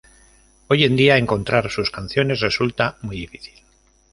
Hoy en día encontrar sus canciones resulta muy difícil.